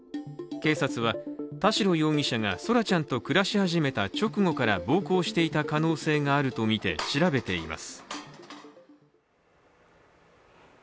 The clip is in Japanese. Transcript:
警察は田代容疑者が空来ちゃんと暮らし始めた直後から暴行していた可能性があるとみて調べています。